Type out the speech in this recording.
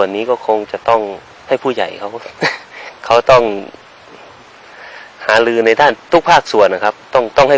เป็นนะคะผู้ใหญ่เขาเขาต้องหารืในด้านทุกธุ่นส่วนครับต้องให้